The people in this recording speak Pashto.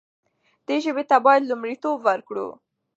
دې ژبې ته باید لومړیتوب ورکړو.